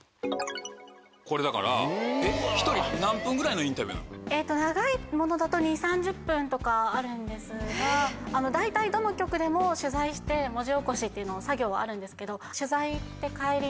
これだから１人何分ぐらいのインタビューなの？とかあるんですが大体どの局でも取材して文字起こしっていう作業はあるんですけど。